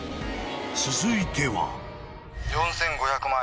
［続いては］